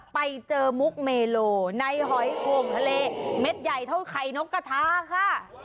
ไปเจอมุกเมโลในหอยโอ่งทะเลเม็ดใหญ่เท่าไข่นกกระทะค่ะ